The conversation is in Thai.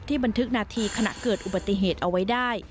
บันทึกนาทีขณะเกิดอุบัติเหตุเอาไว้ได้